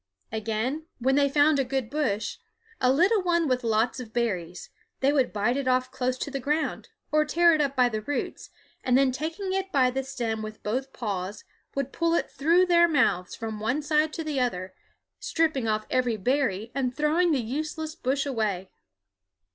Again, when they found a good bush, a little one with lots of berries, they would bite it off close to the ground, or tear it up by the roots, and then taking it by the stem with both paws would pull it through their mouths from one side to the other, stripping off every berry and throwing the useless bush away.